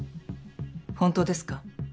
本当ですか？